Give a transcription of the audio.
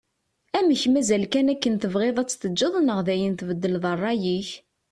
Amek mazal kan akken tebɣiḍ ad tt-teǧǧeḍ neɣ dayen tbeddleḍ rray-ik?